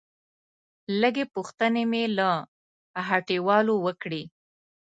لږې پوښتنې مې له هټيوالو وکړې.